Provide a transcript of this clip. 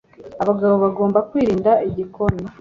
Abagabo bagomba kwirinda igikoni.